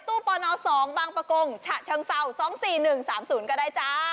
ตู้ปเนา๒บางปฉะชังเซา๒๔๑๓๐๐ก้าได้จ้า